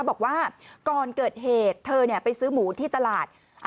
บอกว่าก่อนเกิดเหตุเธอไปซื้อหมูที่ตลาด